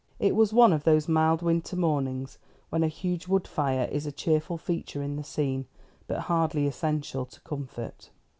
It was one of those mild winter mornings when a huge wood fire is a cheerful feature in the scene, but hardly essential to comfort.